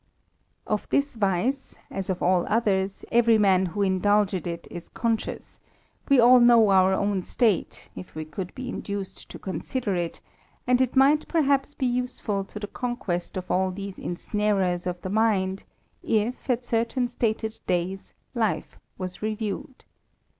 f this vice, as of all others, every man who indulges it is icious : we all know our own state, if we could be ced to consider it ; and it might perhaps be useful to :onquest of all these ensnarers of the mind, if, at certain d days, life was reviewed.